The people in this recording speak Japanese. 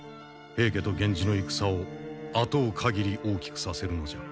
平家と源氏の戦を能う限り大きくさせるのじゃ。